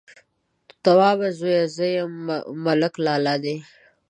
_توابه زويه! زه يم، ملک لالا دې.